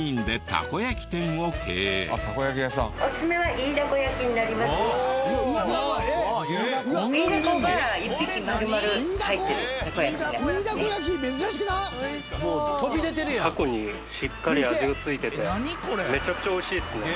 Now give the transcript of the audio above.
タコにしっかり味がついててめちゃくちゃ美味しいですね。